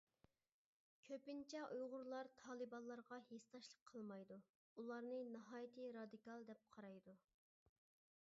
كۆپىنچە ئۇيغۇرلار تالىبانلارغا ھېسداشلىق قىلمايدۇ، ئۇلارنى ناھايىتى رادىكال دەپ قارايدۇ.